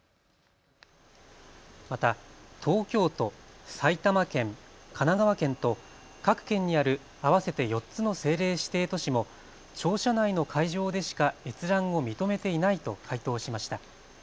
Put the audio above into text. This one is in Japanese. また東京都、埼玉県、神奈川県と各県にある合わせて４つの政令指定都市も庁舎内の会場でしか閲覧を認めていないと回答しました。